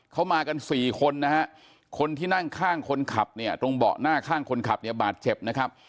เขามากันสี่คนนะฮะคนที่นั่งข้างคนขับเนี่ยตรงเบาะหน้าข้างคนขับเนี่ยบาดเจ็บนะครับ